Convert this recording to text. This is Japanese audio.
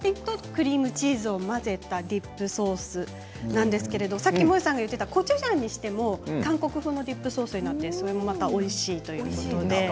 クリームチーズと混ぜたディップソースなんですけどもえさんが言っていたコチュジャンにしても韓国風のディップになっておいしいということです。